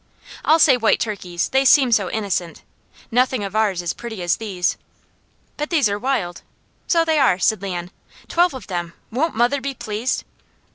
"I'll say white turkeys. They seem so innocent. Nothing of ours is pretty as these." "But these are wild." "So they are," said Leon. "Twelve of them. Won't mother be pleased?"